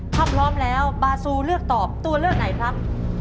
ถ้าพร้อมแล้วบาซูเลือกตอบตัวเลือกไหนครับ